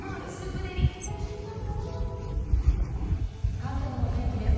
関東のお天気です。